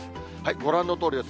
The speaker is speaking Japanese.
ご覧のとおりです。